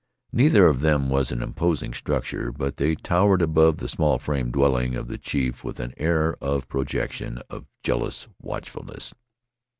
Neither of them was an imposing structure, but they towered above the small frame dwelling of the chief with an air of protection, of jealous watchfulness.